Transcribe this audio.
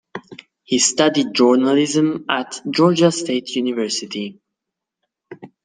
He studied journalism at Georgia State University.